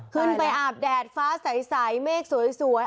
ไปอาบแดดฟ้าใสเมฆสวย